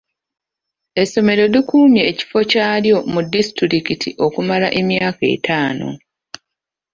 Essomero likuumye ekifo kyalyo mu disitulikiti okumala emyaka etaano.